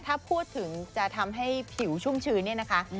ถ้าพูดถึงจะทำให้ผิวชุ่มชื้นเนี่ยนะคะ